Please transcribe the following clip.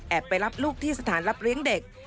ไปรับลูกที่สถานรับเลี้ยงเด็ก